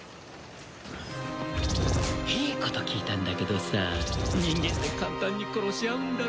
いいこと聞いたんだけどさ人間って簡単に殺し合うんだろ？